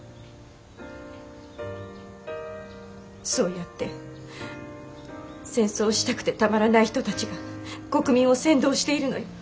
そうやって戦争をしたくてたまらない人たちが国民を扇動しているのよ。